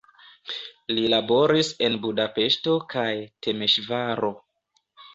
Li laboris en Budapeŝto kaj Temeŝvaro.